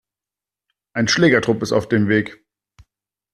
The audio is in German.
Ein Schlägertrupp ist auf dem Weg.